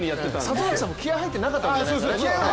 里崎さんも気合い入ってなかったわけじゃないですよね。